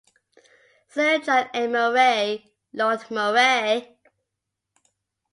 Sir John A. Murray, Lord Murray.